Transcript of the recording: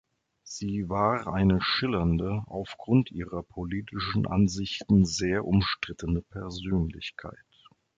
Sie war eine schillernde, aufgrund ihrer politischen Ansichten sehr umstrittene Persönlichkeit.